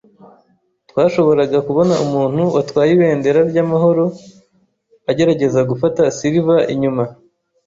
Twashoboraga kubona umuntu watwaye ibendera ryamahoro agerageza gufata Silver inyuma.